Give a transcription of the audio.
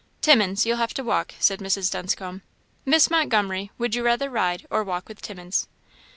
"Timmins, you'll have to walk," said Mrs. Dunscombe. "Miss Montgomery, would you rather ride, or walk with Timmins?"